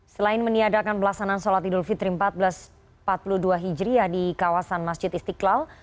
selain meniadakan pelaksanaan sholat idul fitri seribu empat ratus empat puluh dua hijriah di kawasan masjid istiqlal